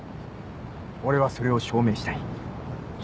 俺はそれを証明したい。